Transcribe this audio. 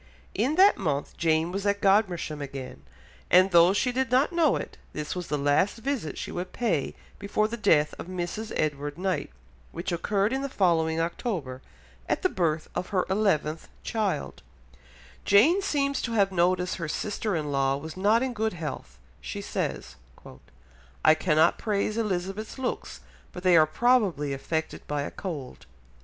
In that month Jane was at Godmersham again, and though she did not know it, this was the last visit she would pay before the death of Mrs. Edward Knight, which occurred in the following October, at the birth of her eleventh child; Jane seems to have noticed her sister in law was not in good health, she says, "I cannot praise Elizabeth's looks, but they are probably affected by a cold."